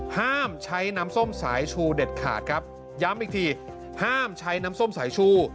ห้ามใช้น้ำส้มสายชูเด็ดขาดครับย้ำอีกทีห้ามใช้น้ำส้มสายชู